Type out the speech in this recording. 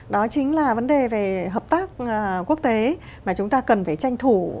đó chính là vấn đề về hợp tác quốc tế mà chúng ta cần phải tranh thủ